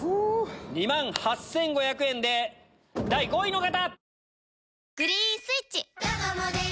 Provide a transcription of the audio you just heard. ２万８５００円で第５位！